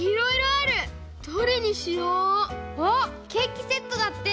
あっケーキセットだって！